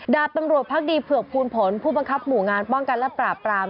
ดาบตำรวจพักดีเผือกภูลผลผู้บังคับหมู่งานป้องกันและปราบปราม